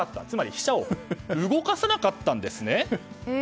つまり飛車を動かさなかったんです。